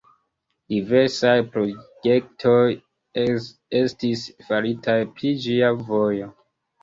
Diversaj projektoj estis faritaj pri ĝia vojo.